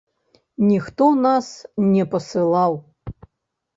Ніхто нас не пасылаў.